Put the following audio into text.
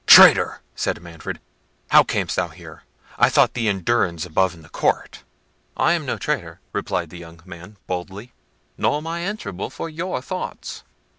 "Traitor!" said Manfred; "how camest thou here? I thought thee in durance above in the court." "I am no traitor," replied the young man boldly, "nor am I answerable for your thoughts."